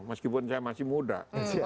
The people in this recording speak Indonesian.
meskipun saya masih muda